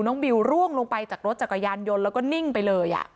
บิวร่วงลงไปจากรถจักรยานยนต์แล้วก็นิ่งไปเลย